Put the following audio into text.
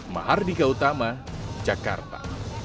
mahardika utama jakarta